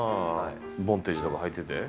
ボンテージとかはいてて？